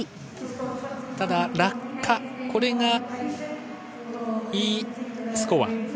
ただ落下、これがＥスコア。